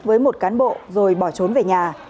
với một cán bộ rồi bỏ trốn về nhà